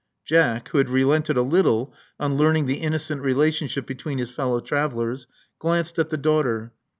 Jack, who had relented a little on learning the innocent relationship between his fellow travelers, glanced at the daughter.